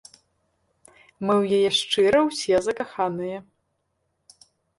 Мы ў яе шчыра ўсе закаханыя!